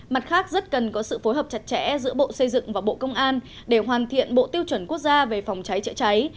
mặt khác rất cần có sự phối hợp chặt chẽ giữa bộ xây dựng và bộ công an để hoàn thiện bộ tiêu chuẩn quốc gia về phòng cháy chữa cháy